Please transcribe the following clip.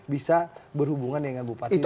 bisa berhubungan dengan bupati